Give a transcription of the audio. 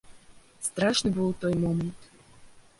Страшны быў той момант!